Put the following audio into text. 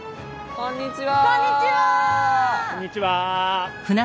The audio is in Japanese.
こんにちは。